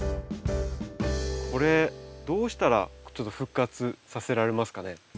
これどうしたらちょっと復活させられますかね？